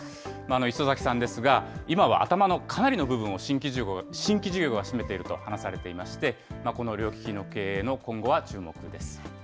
磯崎さんですが、今は頭のかなりの部分を新規事業が占めていると話されていまして、この両利きの経営の今後は注目です。